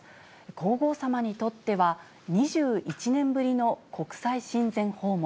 皇后さまにとっては、２１年ぶりの国際親善訪問。